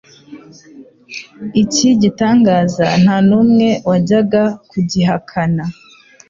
Iki gitangaza nta n'umwe wajyaga kugihakana.